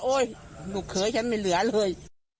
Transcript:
ลูกเขยฉันไม่เหลือเลย